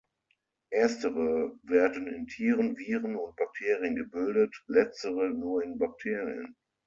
Erstere werden in Tieren, Viren und Bakterien gebildet, letztere nur in Bakterien.